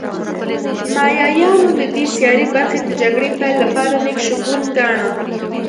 مایایانو د دې سیارې برخې د جګړې پیل لپاره نېک شګون گاڼه